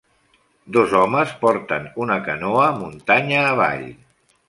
Dos homes porten una canoa muntanya avall.